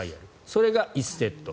それが１セット。